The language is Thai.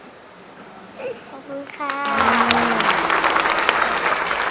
ขอบคุณค่ะ